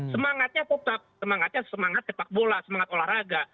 semangatnya tetap semangatnya semangat sepak bola semangat olahraga